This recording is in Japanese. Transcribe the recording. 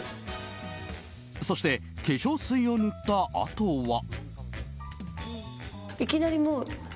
そして、化粧水を塗ったあとは。